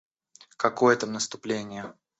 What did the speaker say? Какое там наступление!